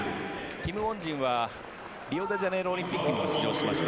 キム・ウォンジンはリオデジャネイロオリンピックにも出場しました。